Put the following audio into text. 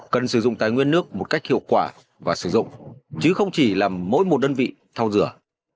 cần sử dụng tài nguyên nước một cách hiệu quả và sử dụng chứ không chỉ làm mỗi một đơn vị thau rửa